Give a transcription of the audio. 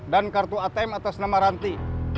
dan kartu atm atas nama ranti